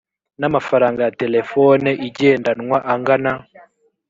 n amafaranga ya telefone igendanwa angana